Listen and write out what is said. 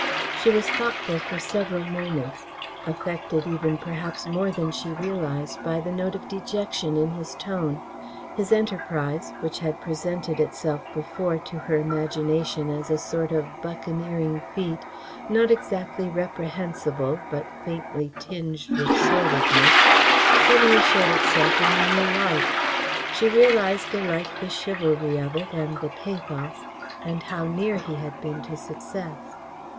She was thoughtful for several moments, affected even perhaps more than she realised by the note of dejection in his tone. His enterprise, which had presented itself before to her imagination as a sort of buccaneering feat, not exactly reprehensible but faintly tinged with sordidness, suddenly showed itself in a new light. She realised alike the chivalry of it and the pathos, and how near he had been to success.